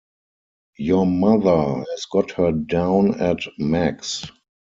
Your mother has got her down at Meg's.